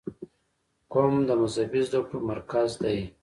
قم د مذهبي زده کړو مرکز دی.